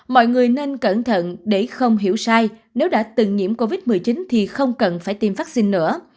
mọi người nên cẩn thận để không hiểu sai nếu đã từng nhiễm covid một mươi chín thì không cần phải tiêm vaccine nữa